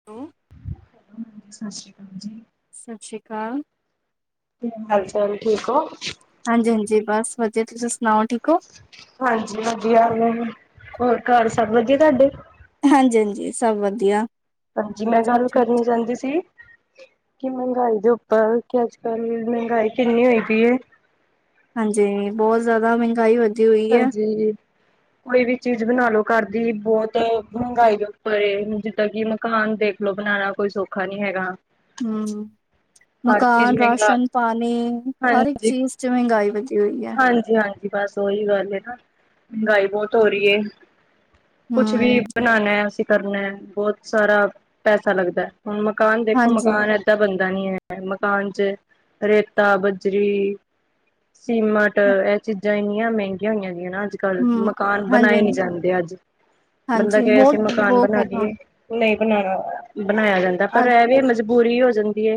[inaudible] Hello ਹਾਂਜੀ, ਸਸ ਰੀ ਕਾਲ ਜੀ। ਸਤਿ ਸ਼੍ਰੀ ਅਕਾਲ। ਕੀ ਹਾਲ-ਚਾਲ ਠੀਕ ਹੋ? ਹਾਂਜੀ-ਹਾਂਜੀ, ਬਸ ਵਧੀਆ, ਤੁਸੀਂ ਸੁਣਾਓ, ਠੀਕ ਹੋ। ਹਾਂਜੀ-ਹਾਂਜੀ ਵਧੀਆ, ਹੋਰ ਘਰ ਸਭ ਵਧੀਆ ਤੁਹਾਡੇ। ਹਾਂਜੀ-ਹਾਂਜੀ, ਸਭ ਵਧੀਆ। ਹਾਂਜੀ, ਮੈਂ ਸਭ ਗੱਲ ਠੀਕ, ਕਰਨੀ ਚਾਂਹਦੀ ਸੀ। ਕਿ ਮਹਿੰਗਾਈ ਦੇ ਉੱਪਰ, ਕੀ ਅੱਜ- ਕੱਲ ਮਹਿੰਗਾਈ ਕਿੰਨੀ ਹੋਈ ਪਈ ਏ। ਹਾਂਜੀ, ਬਹੁਤ ਜ਼ਆਦਾ ਮਹਿੰਗਾਈ ਹੋਗੀ। ਹਾਂਜੀ। ਕੋਈ ਵੀ ਚੀਜ਼ ਬਣਾ ਲੋ ਘਰ ਦੀ, ਬਹੁਤ ਮਹਿੰਗਾਈ ਦੇ ਉੱਪਰ ਏ, ਜਿੱਦਾਂ ਕਿ ਮਤਲ ਮਕਾਨ ਦੇਖਲੋ ਬਣਾਣਾ, ਕੋਈ ਸੌਖਾ ਨੀ ਹੈਗਾ। ਹੂੰ, ਹਰ ਚੀਜ਼ ਮਕਾਨ, ਮਹਿੰਗਾ ਰਾਸ਼ਨ ਪਾਣੀ, ਹਰ ਇੱਕ ਹਾਂਜੀ, ਚੀਜ਼ ਚ ਮਹਿੰਗਾਈ ਵਧੀ ਹੋਈ ਐ ਹਾਂਜੀ, ਹਾਂਜੀ, ਬਸ ਉਹੀ ਗੱਲ ਹੈ ਨਾ, ਮਹਿੰਗਾਈ ਬਹੁਤ ਹੋ ਰੀ ਏ। ਕੁਛ ਵੀ ਹੂੰ, ਬਣਾਣਾ ਐ, ਅਸੀਂ ਕਰਨਾ, ਬਹੁਤ ਸਾਰਾ ਪੈਸਾ ਲੱਗਦਾ। ਹੁਣ ਮਕਾਨ ਦੇਖੋ, ਹਾਂਜੀ, ਮਕਾਨ ਐ ਤਾਂ ਬਣਦਾ ਨੀ ਐ, ਮਕਾਨ ਚ ਰੇਤਾ, ਬਜਰੀ ਸੀਮਟ, ਇਹ ਚੀਜ਼ਾਂ ਇੰਨੀਆਂ ਮਹਿੰਗੀਆਂ ਹੋਈਆਂ ਗੀਆਂ ਨਾ ਅੱਜ ਕੱਲ ਹੂੰ, ਮਕਾਨ ਬਣਾਏ ਨਹੀਂ ਹਾਂਜੀ-ਹਾਂਜੀ। ਜਾਂਦੇ ਅੱਜ, ਬੰਦਾ ਹਾਂਜੀ ਕਹੇ ਅਸੀਂ ਮਕਾਨ ਬਹੁਤ-ਬਹੁਤ ਬਣਾ ਹੋਗਾ ਲੀਏ ਨਹੀਂ ਬਣਾਣਾ, ਬਣਾਇਆ ਜਾਂਦਾ ਅੱਜ ਪਰ ਇਹ ਵੀ ਐ ਮਜ਼ ਮਜਬੂਰੀ ਹੋ ਜਾਂਦੀ ਐ,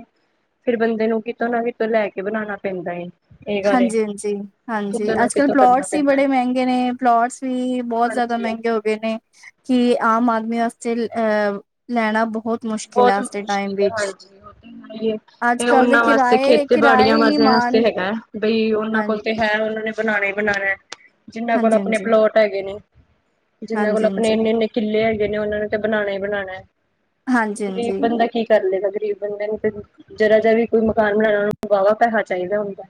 ਫੇਰ ਬੰਦੇ ਨੂੰ ਕਿਤੋਂ ਨਾ ਕਿਤੋਂ ਲੈ ਕੇ ਬਣਾਣਾ ਪੈਂਦਾ ਏ। ਇਹ ਗੱਲ ਹਾਂਜੀ-ਹਾਂਜੀ-ਹਾਂਜੀ, ਕਿਤੋਂ ਨਾ ਅੱਜ-ਕੱਲ ਕਿਤੋਂ ਕਰਨਾ ਪਲੋਟਸ ਵੀ ਪੈਂਦਾ ਹੈ। ਬੜੇ ਮਹਿੰਗੇ ਨੇ, ਪਲੋਟਸ ਵੀ ਬਹੁਤ ਜ਼ਿਆਦਾ ਹਾਂਜੀ ਮਹਿੰਗੇ ਹੋ ਗਏ ਨੇ, ਕਿ ਆਮ ਆਦਮੀ ਵਾਸਤੇ ਅਹ ਲੈਣਾ ਬਹੁਤ ਮੁਸ਼ਕਿਲ ਆ ਬਹੁਤ ਅੱਜ ਦੇ ਟਾਈਮ ਮੁਸ਼ਕਿਲ ਐ ਵਿੱਚ ਹਾਂਜੀ, ਇਹ ਅੱਜ-ਕੱਲ ਦੇ ਉਹਨਾਂ ਵਾਸਤੇ ਕਿਰਾਏ ਖੇਤੀ ਤੇ ਕਿਰਾਏ ਬਾੜੀਆਂ ਹੀ ਨੀ ਮਰਜ਼ਿਆਂ ਮਾਣ ਵਾਸਤੇ ਹੈਗਾ। ਬਈ ਉਹਨਾਂ ਹਾਂ ਕੋਲ ਤੇ ਹੈ, ਉਹਨਾਂ ਨੇ ਬਣਾਣਾ ਹੀ ਬਣਾਣਾ, ਜਿਹਨਾਂ ਕੋਲ ਆਪਣੇ ਹਾਂਜੀ-ਹਾਂਜੀ। ਪਲੋਟ ਹੈਗੇ ਨੇ, ਜਿੰਨਾਂ ਕੋਲ ਆਪਣੇ ਹਾਂਜੀ-ਹਾਂਜੀ, ਇੰਨੇ-ਇੰਨੇ ਕਿੱਲੇ ਹੈਗੇ ਨੇ, ਉਹਨਾਂ ਨੂੰ ਤੇ ਬਣਾਣਾ ਹੀ ਬਣਾਣਾ। ਹਾਂਜੀ-ਹਾਂਜੀ, ਹਾਂਜੀ ਹਾਂਜੀ, ਗਰੀਬ ਬੰਦਾ ਹਾਂਜੀ। ਕੀ ਕਰਲੇਗਾ, ਗਰੀਬ ਬੰਦੇ ਨੂੰ ਤੇ ਜਰਾ ਜਾ ਵੀ ਕੋਈ ਮਕਾਨ ਬਣਾਣਾ, ਵਾਹਵਾ ਪੈਸਾ ਚਾਹੀਦਾ ਹੁੰਦਾ।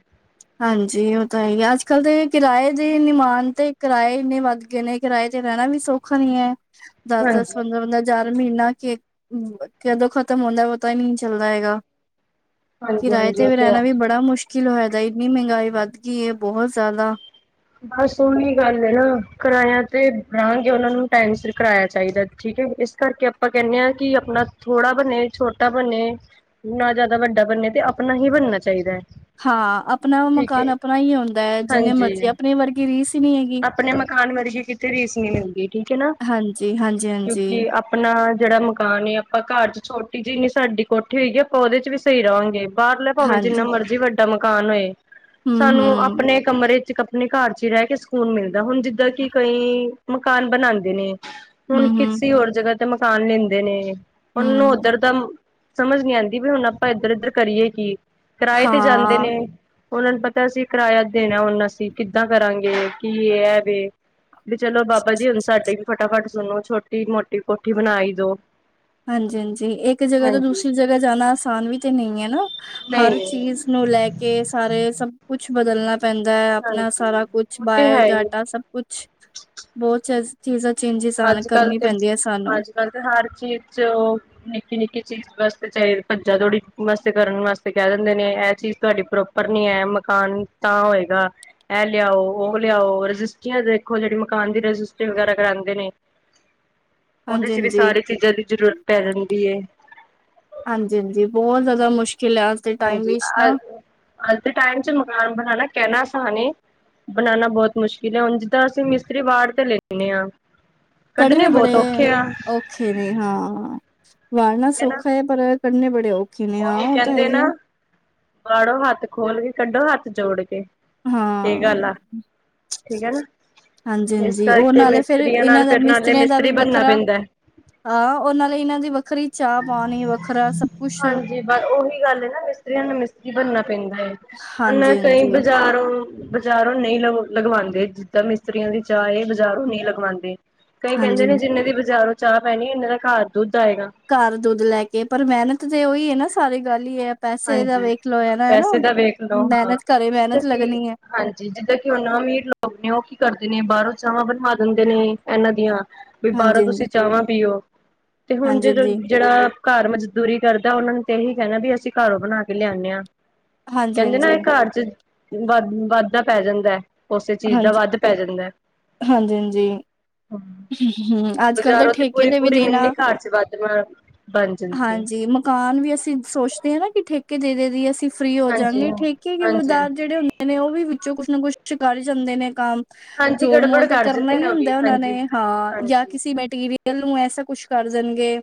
ਹਾਂਜੀ ਉਹ ਤਾਂ ਹੈ, ਅੱਜ- ਕੱਲ੍ਹ ਦੇ ਕਿਰਾਏ ਦੇ ਨੀ ਮਾਣ, ਤੇ ਕਿਰਾਏ ਇੰਨੇ ਵੱਧ ਗਏ ਨੇ। ਕਿਰਾਏ ਤੇ ਰਹਿਣਾ ਵੀ ਸੌਖਾ ਨੀ ਐ, ਹਾਂਜੀ, ਦਸ-ਦਸ, ਪੰਦਰਾਂ-ਪੰਦਰਾਂ ਚਾਰ ਮਹੀਨਾ ਕੇ ਕਦੋਂ ਖਤਮ ਹੁੰਦਾ, ਪਤਾ ਹੀ ਨਹੀਂ ਚੱਲਦਾ ਹੈਗਾ। ਹਾਂਜੀ, ਕਿਰਾਏ ਹਾਂਜੀ ਤੇ ਉਹ ਵੀ ਹੈ। ਰਹਿਣਾ ਵੀ ਬੜਾ ਮੁਸ਼ਕਿਲ ਹੋ ਜਾਦਾ, ਇੰਨੀ ਮਹਿੰਗਾਈ ਵੱਧ ਗਈ ਏ ਬਹੁ ਜ਼ਆਦਾ। ਬਸ ਉਹੀ ਗੱਲ ਹੈ ਨਾ, ਕਿਰਾਆ ਤੇ ਦਾਂਗੇ, ਉਹਨਾਂ ਨੂੰ ਟਾਈਮ ਸਿਰ ਕਿਰਾਆ ਚਾਹੀਦਾ, ਠੀਕ ਹੈ ਇਸ ਇਸ ਕਰਕੇ ਆਪਾਂ ਕਹਿੰਦੇ ਹਾਂ ਕਿ ਆਪਣਾ ਥੋੜ੍ਹਾ ਬਣੇ ਛੋਟਾ ਬਣੇ ਨਾ ਜ਼ਿਆਦਾ ਵੱਡਾ ਬਣੇ, ਤੇ ਆਪਣਾ ਹੀ ਬਣਨਾ ਚਾਹੀਦਾ ਹੈ ਹਾਂ। ਆਪਣਾ ਠੀਕ ਮਕਾਨ, ਹੈ ਆਪਣਾ ਹੀ ਆਉਂਦਾ ਹੈ ਜਿੰਨੇ ਹਾਂਜੀ ਮਰਜ਼ੀ, ਆਪਣੀ ਵਰਗੀ ਰੀਸ ਹੀ ਨਹੀਂ ਹੈਗੀ। ਆਪਣੇ ਮਕਾਨ ਵਰਗੀ ਕਿਤੇ ਰੀਸ ਨਹੀਂ ਮਿਲਦੀ ਠੀਕ ਹੈ ਨਾ, ਹਾਂਜੀ, ਹਾਂਜੀ, ਹਾਂਜੀ, ਕਿਉਂਕਿ ਆਪਣਾ ਜਿਹੜਾ ਮਕਾਨ ਏ, ਆਪਾਂ ਘਰ ਚ ਛੋਟੀ ਜਿਹੀ ਨੀ ਸਾਡੀ ਕੋਠੀ ਹੋਈਗੀ, ਆਪਾਂ ਉਹਦੇ ਚ ਵੀ ਸਹੀ ਰਹਾਂਗੇ। ਬਾਹਰਲਾ ਭਾਵੇਂ ਜਿੰਨਾ ਹਾਂਜੀ ਮਰਜੀ ਵੱਡਾ ਮਕਾਨ ਹੋਏ, ਹੂੰ, ਸਾਨੂੰ ਹੂੰ, ਆਪਣੇ ਕਮਰੇ ਚ ਕੱ ਆਪਣੇ ਘਰ ਚ ਰਹਿ ਕੇ ਸਕੂਨ ਮਿਲਦਾ, ਹੁਣ ਜਿੱਦਾਂ ਕਿ ਕਈ ਮਕਾਨ ਬਣਾਉਂਦੇ ਨੇ। ਹੁਣ ਹੂੰ, ਹੂੰ, ਕਿਸੇ ਹੋਰ ਜਗ੍ਹਾ ਤੇ ਮਕਾਨ ਲੈਂਦੇ ਨੇ, ਹੁਣ ਹੂੰ। ਉਧਰ ਦਾ ਸਮਝ ਨਹੀ ਆਉਂਦੀ ਵੀ ਹੁਣ ਆਪਾਂ ਇੱਧਰ- ਇਧਰ ਕਰੀਏ ਕਿ, ਕਿਰਾਏ ਤੇ ਜਾਂਦੇ ਹਾਂ ਨੇ। ਉਹਨਾਂ ਨੂੰ ਪਤਾ ਅਸੀਂ ਕਿਰਾਇਆ ਦੇਣਾ ਹੁਣ ਅਸੀਂ ਕਿੱਦਾਂ ਕਰਾਂਗੇ ਕੀ ਇਹ ਹੈ ਵੀ ਵੀ ਚਲੋ ਬਾਬਾ ਜੀ ਹੁਣ ਸਾਡੇ ਵੀ ਫਟਾਫਟ ਸੁਣੋ, ਛੋਟੀ ਮੋਟੀ ਕੋਠੀ ਬਣਾਈ ਦੋ। ਹਾਂਜੀ ਹਾਂਜੀ ਇੱਕ ਜਗ੍ਹਾ ਤੋਂ ਹਾਂਜੀ ਦੂਸਰੀ ਜਗ੍ਹਾ ਜਾਣਾ ਆਸਾਨ ਵੀ ਤੇ ਨਹੀਂ ਹੈ ਨਾ, ਨਹੀਂ ਹਰ ਨਹੀਂ ਚੀਜ਼ ਨੂੰ ਲੈ ਕੇ ਸਾਰੇ, ਸਭ ਕੁਛ ਬਦਲਣਾ ਪੈਂਦਾ ਹੈ, ਆਪਣਾ ਹਾਂਜੀ ਸਾਰਾ ਕੁਛ ਉਹ ਤੇ ਹੈ ਹੀ ਬਾਇਓਡਾਟਾ ਸਭ ਕੁਛ, ਬਹੁਤ ਚੀਜ਼ਾਂ ਚੇਂਜਿਸ ਕਰਨੀ ਪੈਂਦੀ ਹੈ ਸਾਨੂੰ ਕਰਦੇ ਹਰ ਚੀਜ਼ ਚ, ਉਹ ਨਿੱਕੀ ਨਿੱਕੀ ਚੀਜ਼ ਵਾਸਤੇ ਚਾਹੇ ਖੱਜਾ ਤੋੜੀ ਵਾਸਤੇ ਕਰਨ ਵਾਸਤੇ ਕਹਿ ਦਿੰਦੇ ਨੇ, ਇਹ ਚੀਜ਼ ਤੁਹਾਡੀ ਪ੍ਰੋਪ ਉਪਰ ਨੀ ਹੈ, ਮਕਾਨ ਤਾਂ ਹੋਏਗਾ ਇਹ ਲਿਆਓ ਉਹ ਲਿਆਓ, ਰਜਿਸਟਰੀਆਂ ਦੇਖੋ ਜਿਹੜੀ ਮਕਾਨ ਦੀ ਰਜਿਸਟਰੀ ਵਗੈਰਾ ਕਰਾਂ ਨੇ ਉਹਦੇ ਹਾਂਜੀ, ਚ ਵੀ ਹਾਂਜੀ। ਸਾਰੀ ਚੀਜ਼ਾਂ ਦੀ ਜ਼ਰੂਰਤ ਪੈ ਜਾਂਣੀ ਐ ਹਾਂਜੀ-ਹਾਂਜੀ ਬਹੁਤ ਜ਼ਿਆਦਾ ਮੁਸ਼ਕਿਲ ਹੈ, ਆਜ ਦੇ ਟਾਈਮ ਵਿੱਚ ਨਾ ਅੱ ਦੇ ਟਾਈਮ ਚ ਮਕਾਨ ਬਣਾਣਾ, ਕਹਿਣਾ ਆਸਾਨ ਏ ਬਣਾਉਣਾ ਬਹੁਤ ਮੁਸ਼ਕਿਲ ਹੈ, ਹੁਣ ਜਿੱਦਾਂ ਅਸੀਂ ਮਿਸਤਰੀ ਵਾਹੜ ਤੇ ਲੈਂਦੇ ਹਾਂ ਕੱਢਣੇ ਬਹੁਤ ਬੜੇ ਔਖੇ ਆ ਔ ਔਖੇ ਨੇ ਹਾਂ, ਵਾਰਨਾ ਹਨਾ ਸੌਖਾ ਹੈ, ਪਰ ਕੱਢਣੇ ਬੜੇ ਔਖ ਉਹੀ ਕਹਿੰਦੇ ਨਾ ਵਾੜੋ ਹੱਥ ਖੋਲ ਕੇ, ਕੱਢੋ ਹੱਥ ਜੋੜ ਕੇ। ਇਹ ਗੱਲ ਆ ਹਾਂ ਠੀਕ ਹੈ ਨਾ ਹਾਂਜੀ ਇਸ ਹਾਂਜੀ ਉਹ ਕਰਕੇ ਨਾਲੇ ਫਿਰ, ਮਿਸਤਰੀਆਂ ਨਾਲ ਇਹਨਾਂ ਦਾ ਫਿਰ ਨਾਲੇ ਮਿਸਤਰੀਆਂ ਦਾ ਮਿਸਤਰੀ ਵੀ ਬਣਨਾ ਵੱਖਰਾ ਪੈਂਦਾ ਹਾਂ ਉਹਨਾਂ ਲਈ, ਇਹਨਾਂ ਦੀ ਵੱਖਰੀ ਚਾਹ ਪਾਣੀ ਵੱਖਰਾ ਸਭ ਕੁਛ ਹਾਂਜੀ ਬਸ ਉਹੀ ਗੱਲ ਨਾ, ਮਿਸਤਰੀਆਂ ਨੂੰ ਮਿਸਤਰੀ ਬਣਨਾ ਪੈਂਦਾ ਹੈ ਹੁਣ ਕਈ ਹਾਂਜੀ-ਹਾਂਜੀ। ਬਜ਼ਾਰੋਂ ਬਾਜ਼ਾਰੋਂ ਨਹੀਂ ਲ ਲਗਵਾਉਂਦੇ, ਜਿੱਦਾਂ ਮਿਸਤਰੀਆਂ ਦੀ ਚਾਹ, ਬਜ਼ਾਰੋਂ ਨਹੀਂ ਲਗਵਾਉਂਦੇ ਕਈ ਕਹਿੰਦੇ ਨੇ ਹਾਂਜੀ-ਹਾਂਜੀ ਜਿੰਨੇ ਦੀ ਬਾਜ਼ਾਰੋਂ ਚਾਹ ਪੈਣੀ ਐ, ਇਹਨਾਂ ਦਾ ਘਰ ਦੁੱਧ ਆਏਗਾ। ਘਰ ਦੁੱਧ ਲੈ ਕੇ, ਪਰ ਮਿਹਨਤ ਤੇ ਉਹੀ ਹੈ ਨਾ ਸਾਰੀ ਗੱਲ ਏ ਹੀ ਹੈ ਪੈਸੇ ਤਾਂ ਹਾਂਜੀ। ਵੇਖ ਲਓ ਹੈਨਾ ਹੈਨਾ, ਪੈਸੇ ਹੁਣ ਦਾ ਵੇਖ ਲਓ ਮਿਹਨਤ ਕਰੇ, ਮਿਹਨਤ ਲੱਗਣੀ ਹੈ ਜੀ ਜਿੱਦਾਂ ਕਿ ਉਹਨਾਂ ਅਮੀਰ ਲੋਕ ਨੇ, ਉਹ ਕੀ ਕਰਦੇ ਨੇ, ਬਾਹਰੋਂ ਚਾਵਾਂ ਬਣਵਾ ਦਿੰਦੇ ਨੇ ਇਹਨਾਂ ਦੀਆਂ ਵੀ ਬਾਹਰੋਂ ਤੁਸੀਂ ਹਾਂਜੀ-ਹਾਂਜੀ, ਚਾਵਾਂ ਪੀਓ, ਤੇ ਹੁਣ ਜਦ ਹਾਂਜੀ-ਹਾਂਜੀ, ਜਿਹੜਾ ਘਰ ਮਜ਼ਦੂਰੀ ਕਰਦਾ, ਉਹਨਾਂ ਨੂੰ ਤੇ ਇਹੀ ਕਹਿਣਾ ਵੀ ਅਸੀਂ ਘਰੋਂ ਬਣਾ ਕੇ ਲਿਆਨੇ ਆਂ ਹਾਂਜੀ-ਹਾਂਜੀ, ਹਾਂਜੀ। ਹਾਂਜੀ ਕਹਿੰਦੇ ਨੇ ਹਾਂਜੀ ਇਹ ਘਰ ਚ ਵਧ ਵਾਧਾ ਪੈ ਜਾਂਦਾ ਹੈ ਉਸੇ ਚੀਜ਼ ਹਾਂਜੀ ਦਾ ਵੱਧ ਪੈ ਜਾਂਦਾ ਹੈ ਹਾਂਜੀ-ਹਾਂਜੀ, ਹਾ, ਹੂੰ ਅੱਜ-ਕੱਲ੍ਹ ਤਾਂ ਬਜ਼ਾਰੋਂ ਤੇ ਠੇਕੇ ਪੂਰੀ ਵੀ ਪੂਰੀ ਮਿੰਲਨੀ, ਦੇਣਾ ਘਾਰ ਚ ਵਾਧਵਾ ਹਾਂਜੀ ਮਕਾਨ ਵੀ ਅਸੀਂ ਸੋਚਦੇ ਹਾਂ ਨਾ, ਕਿ ਠੇਕੇ ਦੇ ਦੇ ਦੀ ਅਸੀਂ ਫ੍ਰੀ ਹੋ ਹਾਂਜੀ ਜਾਗੇ, ਹਾਂਜੀ ਠੇਕੇਦਾਰ ਹਾਂਜੀ ਜਿਹੜੇ ਹੁੰਦੇ ਨੇ ਉਹ ਵੀ ਵਿੱਚੋਂ ਕੁਛ ਨਾ ਕੁੱਛ ਕਰ ਜਾਂਦੇ ਨੇ ਕੰਮ ਹਾਂਜੀ ਜੋਲ ਗੜਬੜ ਮੋਲ ਤੇ ਕਰ ਕਰਨਾ ਜਾਂਦੇ ਹੀ ਨੇ ਉਹ ਵੀ ਹੁੰਦਾ ਉਹਨਾਂ ਹਾਂਜੀ ਨੇ ਹਾਂ, ਜਾਂ ਹਾਂਜੀ ਕਿਸੇ ਬੈਠ ਕੇ ਵੀ ਕਲ ਨੂੰ ਐਸਾ ਕੁਛ ਕਰ ਦੇਣਗੇ,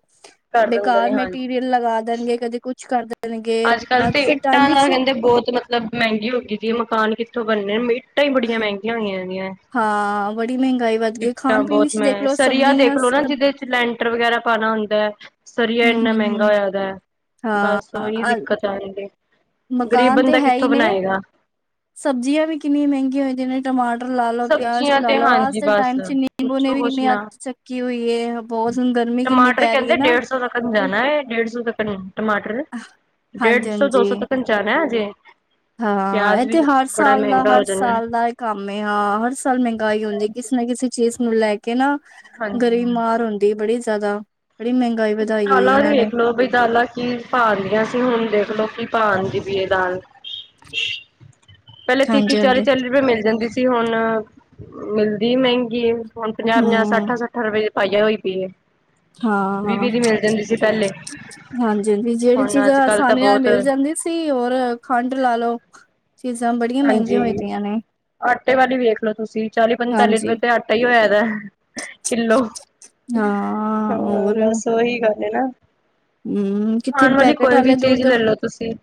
ਕਰ ਦਿੰਦੇ ਬੇਕਾਰ ਨੇ ਹਾਂਜੀ ਮਟੀਰੀਅਲ ਲਗਾ ਦੇਣਗੇ, ਕਦੇ ਕੁੱਛ ਕਰ ਦੇਣਗੇ ਅੱਜ ਕੱਲ੍ਹ ਤੇ ਦੇ ਟਾਈਮ ਇੱਟਾਂ ਦਾ ਵਿੱਚ ਕਹਿੰਦੇ ਬਹੁਤ ਤਲ ਮਹਿੰਗੀ ਹੋ ਗਈ ਸੀ, ਮਕਾਨ ਕਿੱਥੋਂ ਬਣਨੇ, ਈਟਾਂ ਹੀ ਬੜੀਆਂ ਮਹਿੰਗੀਆਂ ਹੋਈਆਂ ਦੀਆਂ ਹਾਂ, ਬੜੀ ਮਹਿੰਗਾਈ ਵੱਧ ਗਈ, ਕਿੱਟਾਂ ਖਾਣ ਪੀਣ ਬਹੁਤ ਚ ਮੈਂ ਦੇਖਲੋ ਸਰੀਆ ਸਬਜ਼ੀਆਂ ਦੇਖਲੋ ਸ ਨਾ ਜਿਹਦੇ ਚ ਲੈਂਟਰ ਵਗੈਰਾ ਪਾਉਣਾ ਹੁੰਦਾ ਹੈ ਸਰੀਆ ਇੰਨਾ ਮਹਿੰਗਾ ਹੂੰ-ਹੂੰ-ਹੂੰ ਹੋਇਆਦਾ ਹਾਂ ਉਹੀ ਦਿੱਕਤ ਆ ਜਾਂਦੀ। ਗ਼ਰੀਬ ਮਕਾਨ ਤੇ ਬੰਦਾ ਹੈ ਹੀ ਕਿੱਥੋਂ ਨੇ ਬਣਾਏਗਾ। ਸਬਜ਼ੀਆਂ ਵੀ ਕਿੰਨੀਆਂ ਮਹਿੰਗੀਆਂ ਏਦੇ ਨਾਲ। ਟਮਾਟਰ ਲਾ ਲਓ, ਪਿਆਜ ਸਬਜ਼ੀਆਂ ਲਾ ਤੇ ਲਓ ਅ ਹਾਂਜੀ ਦੇ ਬਸ ਟਾਈਮ ਚ ਨਿੰਬੂ ਨੇ ਪੁੱਛੋ ਵੀ ਕੁਛ ਨਾ। ਅੰਤ ਹੋਈ ਹੈ ਬਹੁਤ ਹਣ ਗਰਮੀ ਕਿੰਨੀ ਟਮਾਟਰ ਪੈ ਰਹੀ ਕਹਿੰਦੇ ਹੈ ਨਾ ਡੇਢ ਸੌ ਤੱਕ ਤੇ ਜਾਣਾ ਹੈ ਡੇਢ ਸੌ ਤੱਕ ਟਮਾਟਰ ਡੇਢ ਹਾਂਜੀ ਸੌ ਦੋ ਹਾਂਜੀ ਸੌ ਤੱਕ ਜਾਣਾ ਹਜੇ ਹਾਂ ਪਿਆਜ ਇੱਥੇ ਵੀ ਹਰ ਬੜਾ ਸਾਲ ਦਾ ਮਹਿੰਗਾ ਹੋ ਹਰ ਜਾਣਾ। ਸਾਲ ਦਾ ਕੰਮ ਹਾਂ। ਹਰ ਸਾਲ ਮਹਿੰਗਾਈ ਹੁੰਦੀ ਹਾਂਜੀ। ਕਿਸੇ ਨਾ ਕਿਸੇ ਚੀਜ਼ ਨੂੰ ਲੈ ਕੇ। ਕੇ ਨਾ ਹਾਂਜੀ ਗਰੀਬ ਹਾਂ। ਮਾਰ ਹੁੰਦੀ। ਬੜੀ ਜ਼ਿਆਦਾ ਬੜੀ ਮਹਿੰਗੀ ਤੁਸੀਂ ਦਾਲਾਂ ਦੇਖ ਲੋ ਬਈ ਦਾਲਾਂ ਚ ਪਾ ਲਈਆਂ ਸੀ ਹੁਣ ਦੇਖਲਓ ਕੀ ਕੀ ਭਾ ਵੀ ਇਹ ਦਾਲ ਪਹਿਲੇ ਤੀਹ ਤੀਹ ਹਾਂਜੀ ਚਾਲੀ ਹਾਂਜੀ ਚਾਲੀ ਰੁਪਏ ਮਿਲ ਜਾਂਦੀ ਸੀ ਹੁਣ ਮਿਲਦੀ ਮਹਿੰਗੀ ਹੁ ਪੰਜਾਹ ਪੰਜਾਹ ਹਮ ਸੱਠ ਸੱਠ ਰੁਪਏ ਪਾਈਆ ਹੋਈ ਪਈਏ ਹਾਂ ਹਾਂ ਪਹਿਲੇ ਹਾਂਜੀ ਹਾਂਜੀ ਜਿਹੜੀ ਹੁਣ ਚੀਜ਼ਾਂ ਅੱਜ-ਕੱਲ ਤਾਂ ਆਸਾਨੀ ਨਾਲ ਬਹੁਤ ਮਿਲ ਜਾਂਦੀਆਂ ਹੋਰ ਖੰਡ ਲਾ ਲਓ। ਚੀਜ਼ਾਂ ਬੜੀਆਂ ਮਹਿੰਗੀਆਂ ਹਾਂਜੀ ਹੋ ਦੀਆਂ ਨੇ ਆਟੇ ਵਲ ਵੇਖ ਲੋ ਤੁਸੀਂ ਚਾਲੀ, ਪੰਤਾਲੀ ਹਾਂਜੀ, ਰੁਪਏ ਤੇ ਆਟਾ ਈ ਹੋਇਆ ਦਾ, ਕਿੱਲੋ ਹਾਂ ਹਾਂ ਬਸ ਉਹੀ ਗੱਲ ਹੈ ਨਾ ਹਮ ਕਿੱਥੇ ਖਾਣ ਵਾਲੀ ਪੈਕੇਟ ਕੋਈ ਵੀ ਆਲੇ ਚੀਜ਼ ਦੁਧ ਲੈ ਲੋ ਤੁਸੀਂ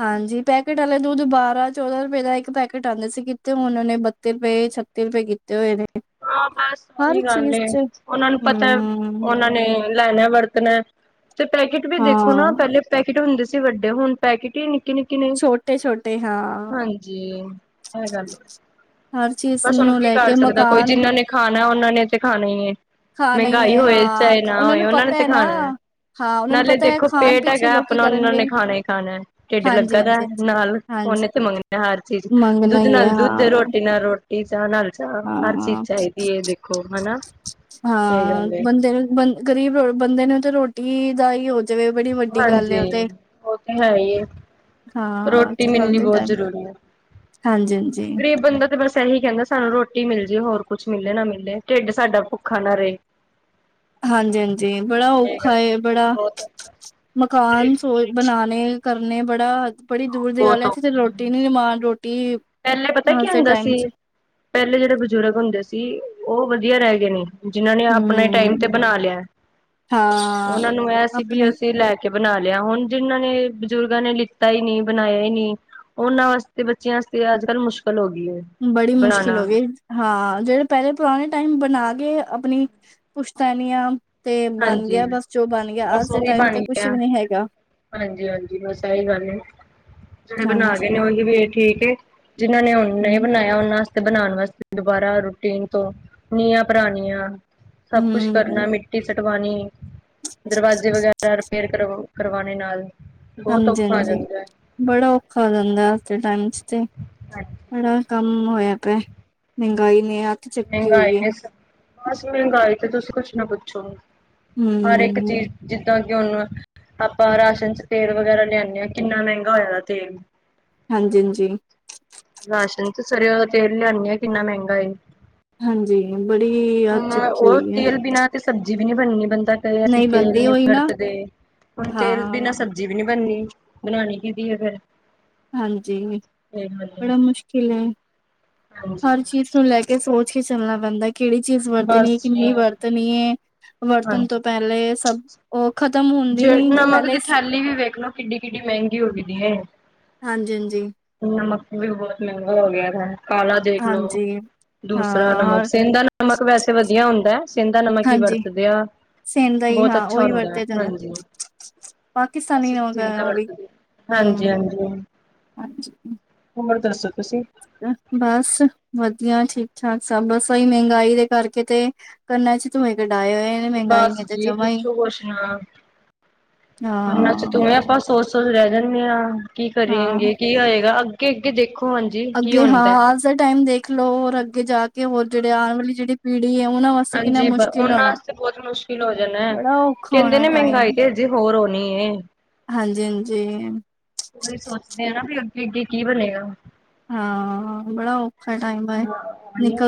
ਹਾਂਜੀ। ਪੈਕੇਟ ਵਾਲੇ ਦੁੱਧ ਬਾਰਾਂ, ਚੌਦਾਂ ਰੁਪਏ ਦਾ ਇੱਕ ਪੈਕੇਟ ਆਉਂਦੇ ਸੀ। ਕਿਥੇ ਹੁਣ ਉਹਨੇ ਬ ਤੇ ਰੁਪਏ ਛੱਤੀ ਰੁਪਏ ਕੀਤੇ ਹੋਏ ਨੇ। ਹਾਂ। ਬੱਸ ਉਹੀ ਹਰ ਗੱਲ ਚੀਜ਼ ਏ ਚ ਉਹਨਾਂ ਨੂੰ ਪਤਾ ਹੂੰ, ਉਹਨਾਂ ਨੇ ਲੈਣਾ ਵਰਤਣਾ ਤੇ ਪੈਕੇਟ ਵੀ ਦੇਖੋ ਨਾ ਹਾਂ ਪਹਿਲੇ ਪੈਕੇਟ ਹੁੰਦੇ ਸੀ ਵੱਡੇ ਹੁਣ ਪੈਕਟ ਹੀ ਨਿੱਕੇ ਨਿੱਕੇ ਨੇ ਛੋਟੇ-ਛੋਟੇ ਹਾਂ, ਹਾਂਜੀ ਇਹ ਗੱਲ ਹਰ ਚੀਜ਼ ਬੱਸ ਉਹਨੂੰ ਨੂੰ ਕੀ ਲੈ ਕਰ ਕੇ ਸਕਦਾ। ਕੋਈ ਮਕਾਨ ਜਿਹਨਾਂ ਨੇ ਖਾਣਾ ਉਹਨਾਂ ਨੇ ਤਾਂ ਖਾਣਾ ਹੀ ਹੈ। ਖਾਣਾ ਈ ਮਹਿੰਗਾਈ ਐ ਹੋਏ ਹਾਂ, ਚਾਹੇ ਨਾ ਓਨਾਂ ਹੋਏ ਨੂੰ ਉਹਨਾ ਨੇ ਪਤਾ ਤੇ ਐ ਨਾ ਖਾਣਾ ਹੈ ਹਾਂ, ਓਨਾਂ ਨੂੰ ਨਾਲੇ ਪਤਾ ਐ ਦੇਖੋ, ਖਾਣ ਪੇਟ ਪਿੱਛੇ ਹੈਗਾ ਲੋਕੀ ਆਪਣਾ ਉਹਨਾਂ ਕਰਨਗੇ ਨੇ ਈ, ਖਾਣਾ ਹੀ ਖਾਣਾ ਢਿੱਡ ਲੱਗਾ ਦਾ ਹਾਂਜੀ-ਹਾਂਜੀ, ਹਾਂਜੀ। ਨਾਲ ਹਾਂਜੀ, ਹਾਂਜੀ ਉਹਨੇ ਤੇ ਮੰਗਣੀ ਹਰ ਚੀਜ਼ ਮੰਗਣਾ ਦੁੱਧ ਈ ਐ ਨਾਲ ਦੁੱਧ ਹਾਂ, ਰੋਟੀ ਨਾਲ ਰੋ ਇਹ ਚ ਨਾਲ ਚਾ ਹਰ ਚੀਜ਼ ਹਾਂ। ਚਾਹੀਦੀ ਹੈ। ਦੇਖੋ ਹਨਾ ਇਹ ਗੱਲ ਹੈ। ਜਨਮ ਗਰੀਬ ਰ ਬੰਦੇ ਨੇ ਤੇ ਰੋਟੀ ਦਾ ਹੀ ਜਿਵੇਂ ਬੜੀ ਵੱਡੀ ਗੱਲ ਹਾਂਜੀ ਉਹ ਤੇ ਉਹ ਤੇ ਹੈ ਹੀ ਹੈ। ਹਾਂ। ਅੱਜ ਰੋਟੀ ਕਲ ਮਿਲਣੀ ਦੇ ਬਹੁਤ ਟਾਈਮ, ਜ਼ਰੂਰੀ ਹੈ। ਹਾਂਜੀ- ਹਾਂਜੀ ਸਹੀ ਕਹਿੰਦਾ। ਸਾਨੂੰ ਰੋਟੀ ਮਿਲ ਜਏ ਹੋਰ ਕੁੱਛ ਮਿਲੇ ਨਾ ਮਿਲੇ ਢਿੱਡ ਸਾਡਾ ਭੁੱਖਾ ਨਾ ਰਹੇ। ਹਾਂਜੀ-ਹਾਂਜੀ। ਬੜਾ ਇਹ ਔਖਾ ਗੱਲ ਹੈ ਬੜਾ ਬਹੁਤ ਮਕਾਨ ਸੋ ਬਣਾਣੇ ਕਰਨੇ ਬੜਾ ਬੜੀ ਦੂਰ ਦੀ ਗੱਲ ਬਹੁਤ ਹੈ। ਇੱਥੇ ਤੇ ਔਖਾ ਰੋਟੀ ਨੀ ਮਾਨ ਰੋਟੀ ਪਹਿਲੇ ਪਤਾ ਮ ਕੀ ਦੇ ਹੁੰਦਾ ਟਾਈਮ ਸੀ ਚ ਪਹਿਲੇ ਜਿਹੜੇ ਬਜ਼ੁਰਗ ਹੁੰਦੇ ਸੀ ਉਹ ਵਧੀਆ ਰਹਿ ਗਏ ਨਹੀਂ ਜਿਨਾਂ ਨੇ ਆਪਣੇ ਟਾਈਮ ਹਮ ਤੇ ਬਣਾ ਲਿਆ। ਹਾਂ ਉਹਨਾਂ ਨੂੰ ਇਹ ਸੀ ਵੀ ਆਪਣੇ ਅਸੀਂ ਲੈ ਕੇ ਬਣਾ ਲਿਆ ਹੁਣ ਜਿਹਨਾਂ ਨੇ ਬਜ਼ੁਰਗਾਂ ਨੇ ਲਿ ਕੀਤਾ ਹੀ ਨਹੀ ਬਣਾਇਆ ਹੀ ਨਹੀਂ ਉਹਨਾਂ ਵਾਸਤੇ ਬੱਚਿਆਂ ਵਾਸਤੇ ਅੱਜ ਕੱਲ ਮੁਸ਼ਕਿਲ ਹੋ ਗਈ ਹੈ। ਬੜੀ ਮੁਸ਼ਕਿਲ ਬਣਾਉਣਾ ਹੋ ਗਈ। ਹਾਂ। ਜਿਹੜੇ ਪਹਿਲੇ ਪੁਰਾਣੇ ਟਾਈਮ ਬਣਾ ਕੇ ਆਪਣੀ ਪੁਸ਼ਤਨੀਆਂ ਤੇ ਬਣ ਹਾਂਜੀ ਗਿਆ ਬਸ ਜੋ ਬਣ ਗਿਆ ਅੱਜ ਦੇ ਟਾਈਮ ਤੇ ਕੁਛ ਵੀ ਨਹੀਂ ਹੈਗਾ ਹਾਂਜੀ-ਹਾਂਜੀ ਬੱਸ ਇਹੀ ਗੱਲ ਹੈ। ਜਿਹੜੇ ਬਣਾ ਹਾਂਜੀ ਗਏ ਨੇ ਉਹ ਵੀ ਠੀਕ, ਜਿਹਨਾਂ ਨੇ ਉਹੇ ਹੂੰ, ਬਣਾਇਆ। ਉਹਨਾਂ ਬਣਾਉਣ ਵਾਸਤੇ ਦੁਬਾਰਾ ਰੂਟੀਨ ਤੋਂ ਨੀਆਂ ਭਰਾਣੀਆਂ ਸਭ ਕੁਛ ਕਰਨਾ ਹੂੰ, ਮਿੱ ਇਟ ਸਟਵਾਣੀ ਦਰਵਾਜ਼ੇ ਵਗੈਰਾ ਰਿਪੇਅਰ ਕਰ ਕਰਵਾਣੇ ਨਾਲ। ਬਹੁਤ ਹਾਂਜੀ ਔਖਾ ਆ ਹਾਂਜੀ‌, ਜਾਂਦਾ ਬੜਾ ਔਖਾ ਹੋਂ। ਜਾਂਦਾ ਅੱਜ ਦੇ ਟਾਈਮ ਚ ਤੇ ਹੈ। ਬੜਾ ਕਮ ਹੋਇਆ ਪਇਆ ਮਹਿੰਗਾਈ ਨੇ ਆ ਮਹਿੰਗਾਈ ਨਹੀਂ ਬਸ ਮਹਿੰਗਾਈ ਤੇ ਤੁਸੀਂ ਕੁਛ ਨਾ ਪੁੱਛੋ ਹਰ ਇੱਕ ਹੂੰ, ਚੀਜ਼ ਜਿੱਦਾਂ ਕਿ ਹੁਣ ਆਪਾਂ ਰਾਸ਼ਨ ਚ ਤੇਲ ਵਗੈਰਾ ਲਿਆਦੇ ਹਾਂ ਕਿੰਨਾ ਮਹਿੰਗਾ ਹੋਇਆ ਤੇਲ ਹਾਂਜੀ ਹਾਂਜੀ, ਰਾਸ਼ਨ ਚ ਸਰਯੌਂ ਦਾ ਤੇਲ ਲਿਆਨੇ ਆਂਂ ਕਿੰਨਾ ਮਹਿੰਗਾ ਏ। ਹਾਂਜੀ ਬੜੀ ਆਤ ਹੁਣ ਚੱਕੀ ਉਹ ਹੋਈ ਹੈ। ਤੇਲ ਬਿਨਾਂ ਤੇ ਸਬਜ਼ੀ ਨਹੀ ਬਨਦੀ ਬੰਦਾ ਤੇਲ ਕੈ ਨਈ ਤੇਲ ਬਣਦੀ ਨੀ ਉਹੀ ਨਾ ਵਰਤਦੇ ਹੁਣ ਤੇਲ ਬਿਨਾ ਹਾਂ, ਸਬਜੀ਼ ਜੀਵੇਂ ਨੀ ਬਣਨੀ ਬਣਾਨੀ ਕਹੀਦੀ ਹੈ ਫੇਰ ਹਾਂਜੀ ਵਾਲੀ। ਬੜਾ ਮੁਸ਼ਕਿਲ ਹੈ ਹਾਂਜੀ ਹਰ ਚੀਜ਼ ਨੂੰ ਲੈ ਕੇ ਸੋਚ ਕੇ ਚੱਲਣਾ ਪੈਂਦਾ ਕਿਹੜੀ ਚੀਜ਼ ਵਰਤਣੀ ਹੈ ਬਸ ਜੀ ਕਿੰਨੀ ਵਰਤਣੀ ਹੈ ਵਰਤਣ ਤੋਂ ਹਾਂਜੀ ਪਹਿਲੇ ਸਭ ਉਹ ਖਤਮ ਹੁੰਦੀ ਨੀ ਕਿ ਪਹਿਲੇ ਪਲੀਜ਼ ਵੇਖਨਾ ਕਿੱਡੀ ਕਿੱਡੀ ਮਹਿੰਗੀ ਹੋ ਗਈਦੀ ਹੈ ਹਾਂਜੀ ਹਾਂਜੀ ਨਮਕ ਵੀ ਹੁਣ ਮਹਿੰਗਾ ਹੋ ਗਿਆ ਕਾਲਾ ਦੇਖ ਲੋੋ। ਹਾਂਜੀ ਦੂਸਰਾ ਨਮਕ ਹਾਂ, ਸੇਂਧਾ ਨਮਕ ਵੈਸੇ ਵਧੀਆ ਹੁੰਦਾ ਸੇਂਧਾ ਨਮਕ ਹੀ ਵਰਤਦੇ ਆਂ। ਸੇਨਦਾ ਈ ਹਾਂ ਓਹੀ ਵਰਤੇ ਦੇ। ਹਨਾਂ। ਪਾਕਿਸਤਾਨੀ ਅਸੀਂ ਆਓਦਾ। ਸੇਂਦਾ ਓ ਵੀ। ਵਰਤਦੇ। ਹਾਂਜੀ ਹੂੰ। ਹਾਂਜੀ ਅੱਛਾ ਹੋਰ ਦੱਸੋ ਤੁਸੀਂ ਬਸ ਵਧੀਆ, ਠੀਕ ਠਾਕ ਸਭ ਬ ਸਹੀ ਮਹਿੰਗਾਈ ਦੇ ਕਰਕੇ ਤੇ ਕੰਨਾ ਚ ਧੂਏਂ ਕਢਾਇ ਹੋਏ। ਨੇ ਮਹਿੰਗਾਈ ਬਸ ਨੇ ਤੇ ਜੀ ਜਮਾ ਹੀ ਪੁੱਛੋ ਕੁਛ ਨਾ ਕੰਨਾਂ ਚ ਹਾਂ ਤੂਵੇ ਬਸ ਸੋਚ ਸੋਚ ਰਹਿ ਜਾਂਦੇ ਆਂ ਕੀ ਹਾਂ ਕਰਿਏਂਗੇ ਕੀ ਹੋਏਗਾ ਅੱਗੇ ਅੱਗੇ ਦੇਖੋ ਹੁਣ। ਅੱਗੇ ਹਾਂ ਅਜ ਦੇ ਟਾਈਮ ਦੇਖ ਲਓ ਹੋਰ ਅੱਗੇ ਜਾ ਕੇ ਹੋਰ ਜਿਹੜੇ ਆਉਣ ਵਾਲੀ ਜਿਹੜੀ ਪੀੜ੍ਹੀ ਹੈ ਉਹਨਾਂ ਵਾਸਤੇ। ਕਿੰਨਾ ਹਾਂਜੀ ਮੁਸ਼ਕਿਲ ਉਹਨਾਂ ਹੋਣਾ ਵਾਸਤੇ ਬਹੁਤ ਮੁਸ਼ਕਿਲ ਹੋ ਜਾਣਾ ਹੈ ਬੜਾ ਔਖਾ ਕਹਿੰਦੇ ਹੋਣਾ ਨੇ ਟਾਈਮ ਮਹਿੰਗਾਈ ਤੇ ਹੋਰ ਹੋਣੀ ਏ ਹਾਂਜੀ ਹਾਂਜੀ ਅਸੀ ਸੋਚਦੇ ਆ ਨਾ ਭੀ ਅੱਗੇ ਅੱਗੇ ਕੀ ਕੀ ਬਣੇਗਾ। ਹਾਂ ਬੜਾ ਓ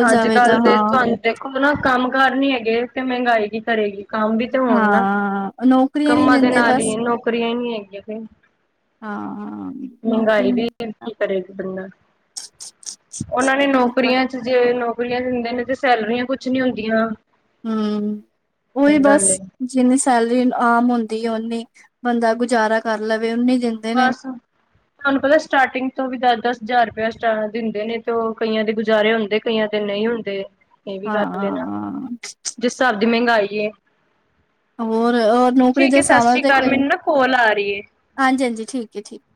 ਅੱਜ ਕੱਲ ਤਾਂ ਦੇ ਹਾਂ ਤੁਹਾਨੂੰ ਦੇਖੋ ਨਾ ਕੰਮ ਕਾਰ ਨੀ ਹੈਗੇ ਤੇ ਮਹਿੰਗਾਈ ਕੀ ਕਰੇਗੀ ਕੰਮ ਵੀ ਹੋਣ ਨਾ ਹਾਂ ਨੌਕਰੀਆਂ ਨੀ ਕੰਮਾਂ ਦੇ ਦਿੰਦੇ ਨਾਲ ਬਸ ਹੀ ਨੌਕਰੀਆਂ ਹੀ ਨੀ ਹੈਗੀਆਂ ਫ ਹਾਂ ਹਾਂ ਮਹਿੰਗਾਈ ਵੀ ਕੀ ਕਰੇਗਾ ਬੰਦਾ ਉਹਨਾਂ ਨੇ ਨੌਕਰੀਆਂ ਜੇ ਨੌਕਰੀਆਂ ਦਿੰਦੇ ਨੇ ਤੇ ਸੈਲਰੀਆਂ ਕੁਛ ਨੀ ਹੁੰਦੀਆਂ ਹੂਂੰ ਉਹੀ ਸਹੀ ਬਸ ਗੱਲ ਏ। ਜਿੰਨੀ ਸੈਲਰੀ ਆਮ ਹੁੰਦੀ ਹੈ ਓਨੀ ਬੰਦਾ ਗੁਜ਼ਾਰਾ ਕਰ ਲਵੇ ਓਨੀ ਦਿੰਦੇ ਨੇ ਹ ਤੁਹਾਨੂੰ ਪਤਾ ਸਟਾਰਟਿੰਗ ਤੋਂ ਵੀ ਦਸ ਦਸ ਹਜ਼ਾਰ ਰੁਪਇਆ ਸਟਾਰਟ ਦਿੰਦੇ ਨੇ ਤੋਓ ਕਈਆਂ ਦੇ ਗੁਜ਼ਾਰੇ ਹੁੰਦੇ ਕਈਆਂ ਦੇ ਨਹੀਂ ਹੁੰਦੇ। ਤੇ ਇਹ ਵੀ ਗੱਲ ਹੈ ਨਾ ਹਾਂ ਜਿਸ ਹਿਸਾਬ ਦੀ ਮਹਿੰਗਾਈ ਹੈ ਹੋਰ ਔਰ ਨੌਕਰੀ ਦੇ ਠੀਕ ਏ ਸਤਿ ਸ੍ਰੀ ਹਿਸਾਬਵਾਸਤੇ ਅਕਾਲ ਕਈ ਮੈਨੂੰ ਨਾ ਕੋਲ ਆ ਰਹੀ ਏ। ਹਾਂਜੀ ਹਾਂਜੀ ਠੀਕ ਏ ਠੀਕ ਏ।